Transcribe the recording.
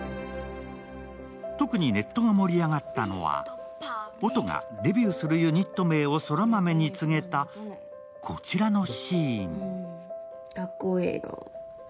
特にネットが盛り上がったのは、音がデビューするユニット名を空豆に告げた、こちらのシーン。